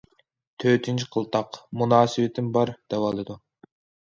تۆتىنچى قىلتاق:« مۇناسىۋىتىم بار» دەۋالىدۇ.